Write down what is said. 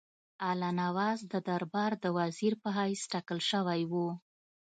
الله نواز د دربار د وزیر په حیث ټاکل شوی وو.